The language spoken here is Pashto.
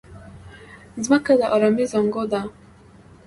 مځکه د ارامۍ زانګو ده.